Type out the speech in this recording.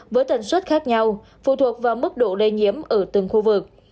với tần suất khác nhau phụ thuộc vào mức độ lây nhiễm ở từng khu vực